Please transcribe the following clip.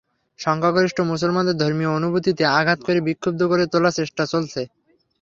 সংখ্যাগরিষ্ঠ মুসলমানদের ধর্মীয় অনুভূতিতে আঘাত করে বিক্ষুব্ধ করে তোলার চেষ্টা চলছে।